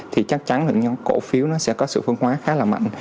thì chắc chắn những nhóm cổ phiếu nó sẽ có sự phong hóa khá là mạnh